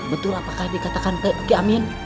betul apakah dikatakan ke amin